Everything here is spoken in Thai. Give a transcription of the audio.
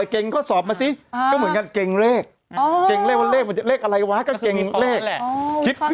เกรงข้อสอบเกรงข้อสอบเกรงข้อสอบเกรงข้อสอบเกรงข้อสอบ